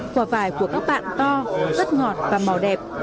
quả vải của các bạn to rất ngọt và màu đẹp